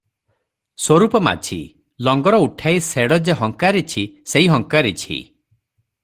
ସ୍ୱରୂପ ମାଝି- ଲଙ୍ଗର ଉଠାଇ ଶେଡ଼ ଯେ ହଙ୍କାରିଛି, ସେଇ ହଙ୍କାରିଛି ।